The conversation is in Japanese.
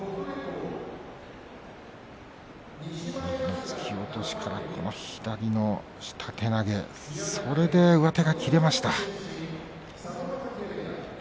右の突き落としから左の下手投げそれで上手が切れました。